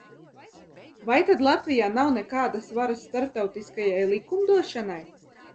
Vai tad Latvijā nav nekādas varas starptautiskajai likumdošanai?